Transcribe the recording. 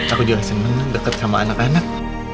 aku juga seneng deket sama anak anak